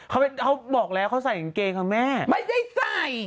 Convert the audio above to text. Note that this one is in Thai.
เขาบอกแล้วเขาใส่กางเกงครับแม่ไม่ใช่ใส่